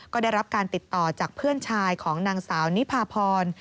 ก็ได้รับการติดต่อจากเพื่อนชายของนางสาวนิพาพร